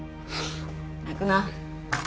泣くな。